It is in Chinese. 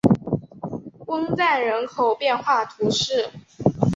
翁赞人口变化图示